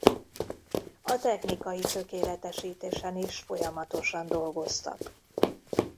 A technikai tökéletesítésen is folyamatosan dolgoztak.